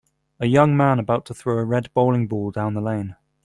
a young man about to throw a red bowling ball down the lane